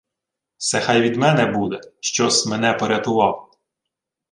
— Се хай від мене буде, що-с мене порятував.